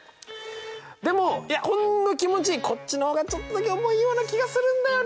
でもいやほんの気持ちこっちの方がちょっとだけ重いような気がするんだよね。